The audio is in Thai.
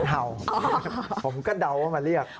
เห่าผมก็เดาว่ามาเรียก